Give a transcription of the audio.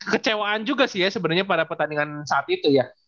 kecewaan juga sih ya sebenarnya pada pertandingan saat itu ya